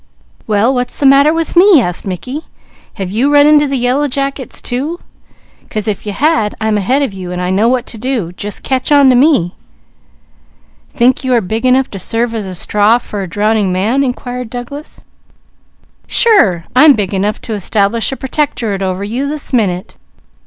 "Well what's the matter with me?" asked Mickey. "Have you run into the yellow jackets too? 'Cause if you have, I'm ahead of you, so I know what to do. Just catch on to me!" "Think you are big enough to serve as a straw for a drowning man, Mickey?" inquired Douglas. "Sure! I'm big enough to establish a Pertectorate over you, this minute.